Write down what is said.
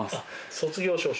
卒業証書。